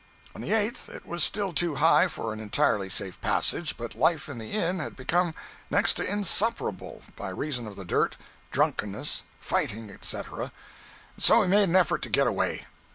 On the eighth it was still too high for an entirely safe passage, but life in the inn had become next to insupportable by reason of the dirt, drunkenness, fighting, etc., and so we made an effort to get away.